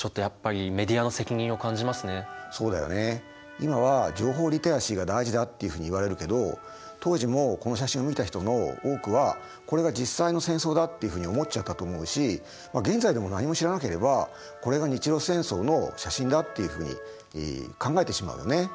今は情報リテラシーが大事だっていうふうに言われるけど当時もこの写真を見た人の多くはこれが実際の戦争だっていうふうに思っちゃったと思うし現在でも何も知らなければこれが日露戦争の写真だっていうふうに考えてしまうよね。